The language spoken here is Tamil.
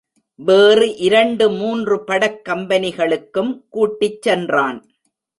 வேறு இரண்டு மூன்று படக் கம்பெனிகளுக்கும் கூட்டிச் சென்றான்.